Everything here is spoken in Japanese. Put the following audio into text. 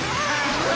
うわ！